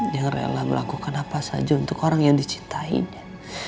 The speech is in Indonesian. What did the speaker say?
yang rela melakukan apa saja untuk orang yang dicintainya